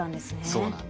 そうなんです。